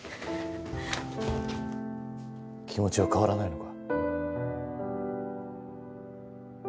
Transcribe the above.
気持ちは変わらないのか？